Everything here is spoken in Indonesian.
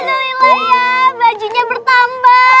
alhamdulillah ya bajunya bertambah